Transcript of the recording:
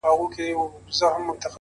د غلا خبري پټي ساتي,